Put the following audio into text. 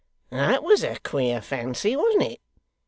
'That was a queer fancy, wasn't it?